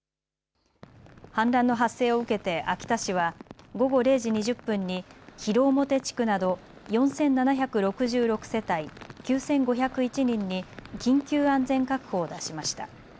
氾濫の発生を受けて秋田市は午後０時２０分に広面地区など４７６６世帯９５０１人に緊急安全確保を出しました。